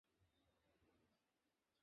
আর দক্ষিণ ভারতে জিহাদ করতে বলেছে।